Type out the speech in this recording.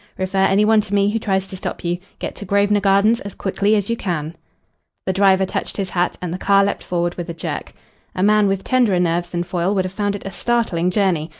"Refer any one to me who tries to stop you. Get to Grosvenor Gardens as quickly as you can." The driver touched his hat, and the car leapt forward with a jerk. A man with tenderer nerves than Foyle would have found it a startling journey.